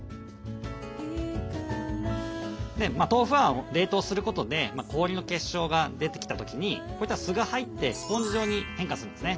豆腐は冷凍することで氷の結晶が出てきた時にこういったすが入ってスポンジ状に変化するんですね。